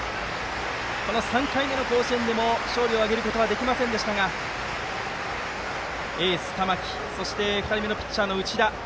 この３回目の甲子園でも勝利を挙げることはできませんでしたがエース、玉木そして２人目のピッチャーの内田。